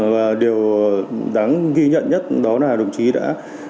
và điều đáng ghi nhận nhất đó là đồng chí đã